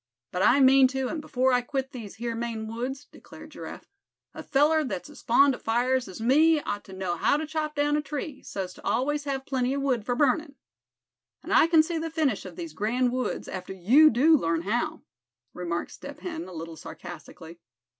"But I mean to, and before I quit these here Maine woods," declared Giraffe. "A feller that's as fond of fires as me, ought to know how to chop down a tree, so's to always have plenty of wood for burnin'." "And I can see the finish of these grand woods, after you do learn how," remarked Step Hen, a little sarcastically.